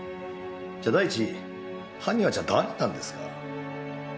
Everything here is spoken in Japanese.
じゃ第一犯人は誰なんですか？